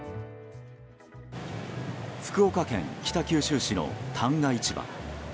福岡県北九州市の旦過市場。